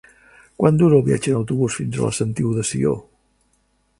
Quant dura el viatge en autobús fins a la Sentiu de Sió?